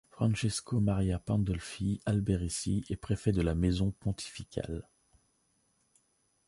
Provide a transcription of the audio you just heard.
Francesco Maria Pandolfi Alberici est préfet de la Maison pontificale.